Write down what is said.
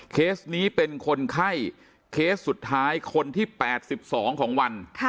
เคสนี้เป็นคนไข้เคสสุดท้ายคนที่๘๒ของวัน